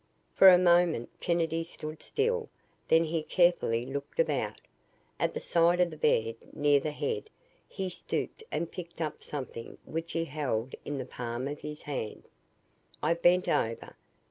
For a moment Kennedy stood still, then he carefully looked about. At the side of the bed, near the head, he stooped and picked up something which he held in the palm of his hand. I bent over.